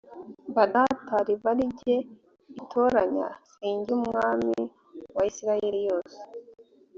ba data r iba ari jye itoranya s ingira umwami wa isirayeli yose